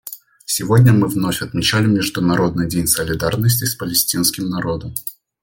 Сегодня мы вновь отмечали Международный день солидарности с палестинским народом.